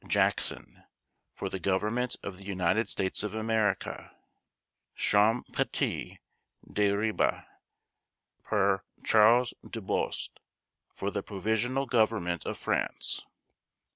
JACKSON For the Government of the United States of America. /s/ CHAMPETIER DE RIBES Per CH. DUBOST For the Provisional Government of France.